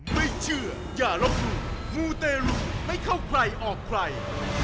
ไม่เชื่ออย่าลบหลู่มูเตรุไม่เข้าใครออกใคร